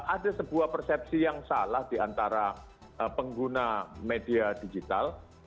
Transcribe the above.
ada sebuah persepsi yang salah diantara pengguna media digital